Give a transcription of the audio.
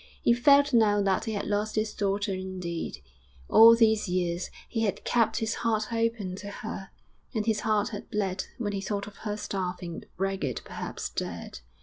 He felt now that he had lost his daughter indeed. All these years he had kept his heart open to her, and his heart had bled when he thought of her starving, ragged, perhaps dead.